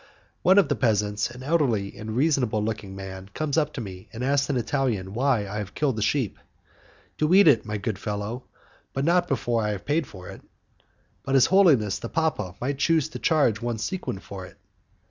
One of the peasants, an elderly and reasonable looking man, comes up to me and asks me in Italian why I have killed the sheep. "To eat it, my good fellow, but not before I have paid for it." "But his holiness, the papa, might choose to charge one sequin for it."